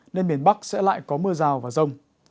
nên miền bắc sẽ lại có mưa rào và rông